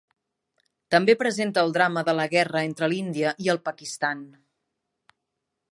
També presenta el drama de la guerra entre la India i el Pakistan.